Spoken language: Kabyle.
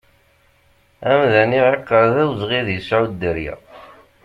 Amdan iɛiqer d awezɣi ad yesɛu dderya.